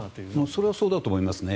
それはそうだと思いますね。